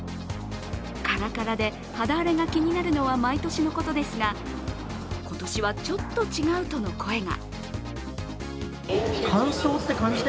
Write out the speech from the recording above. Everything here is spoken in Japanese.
カラカラで肌荒れが気になるのは毎年のことですが今年はちょっと違うとの声が。